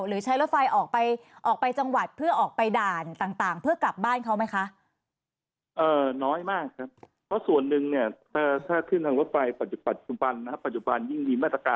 หรือใช้รถไฟออกไปออกไปจังหวัดเพื่อออกไปด่านต่างเพื่อกลับบ้านเขาไหมคะ